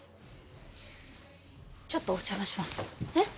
ちょっとお邪魔しますえっ？